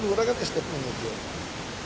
lurah kan setiap menit saja